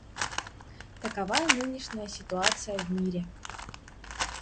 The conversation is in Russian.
Такова нынешняя ситуация в мире.